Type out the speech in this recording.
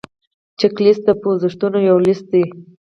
چک لیست د پوښتنو یو لیست دی.